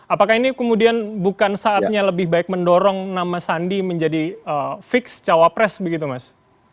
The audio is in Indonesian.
apakah ini kemudian bukan saatnya lebih baik mendorong nama sandi menjadi fix cawapres begitu mas